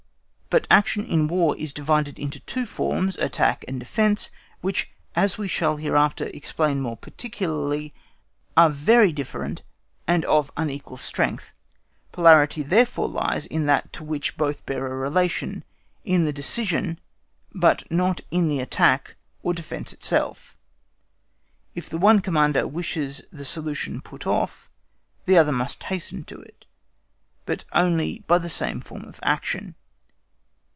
But action in War is divided into two forms, attack and defence, which, as we shall hereafter explain more particularly, are very different and of unequal strength. Polarity therefore lies in that to which both bear a relation, in the decision, but not in the attack or defence itself. If the one Commander wishes the solution put off, the other must wish to hasten it, but only by the same form of action.